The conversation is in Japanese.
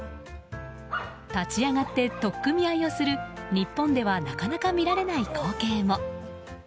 立ち上がって取っ組み合いをする日本ではなかなか見られない光景も。